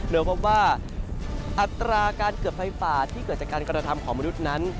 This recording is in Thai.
โดยพบว่าอัตราการเกิดไฟป่าที่เกิดจากการกระทำของมนุษย์นั้น